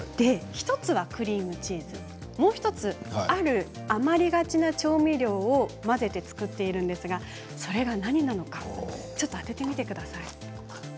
１つはクリームチーズもう１つある余りがちな調味料を混ぜて作ったものなんですがそれが何なのか当ててみてください。